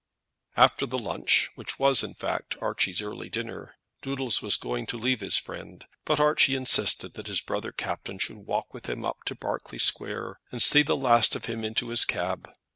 After the lunch, which was in fact Archie's early dinner, Doodles was going to leave his friend, but Archie insisted that his brother captain should walk with him up to Berkeley Square, and see the last of him into his cab.